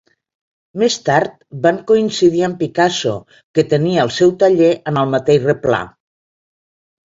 Més tard, van coincidir amb Picasso, que tenia el seu taller en el mateix replà.